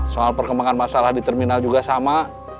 soal perkembangan masalah di terminal juga sama